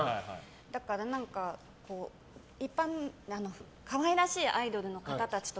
だから可愛らしいアイドルの方たちと